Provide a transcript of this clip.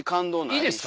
いいですか？